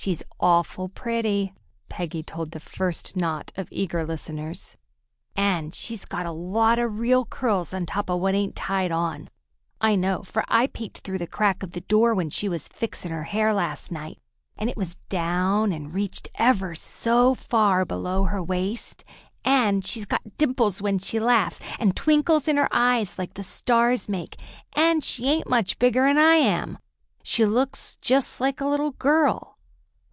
"She's awful pretty," Peggy told the first knot of eager listeners, "and she's got a lot of real curls on top what ain't tied on. I know, fer I peeked through the crack of the door when she was fixin' her hair last night, and it was down and reached ever so far below her waist. An' she's got dimples when she laughs, and twinkles in her eyes like the stars make, an' she ain't much bigger'n I am. She looks just like a little girl."